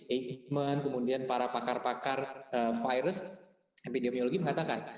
eijkman kemudian para pakar pakar virus epidemiologi mengatakan